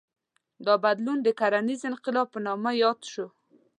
دا بدلون د کرنیز انقلاب په نامه یاد شو.